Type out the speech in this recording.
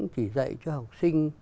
chỉ dạy cho học sinh